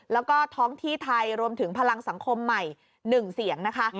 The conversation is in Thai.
แล้วก็ท้องที่ไทยรวมถึงพลังสังคมใหม่๑เสียงนะคะ